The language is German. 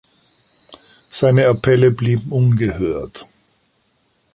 Seine Appelle blieben ungehört.